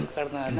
karena ada masalah